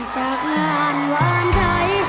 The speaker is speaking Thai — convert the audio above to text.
จากงานหวานใจ